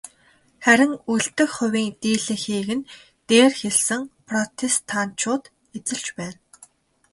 Харин үлдэх хувийн дийлэнхийг нь дээр хэлсэн протестантчууд эзэлж байна.